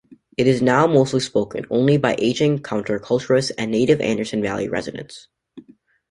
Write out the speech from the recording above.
It is now mostly spoken only by aging counter-culturists and native Anderson Valley residents.